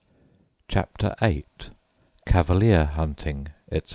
CHAPTER VIII CAVALIER HUNTING, ETC.